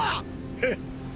フッ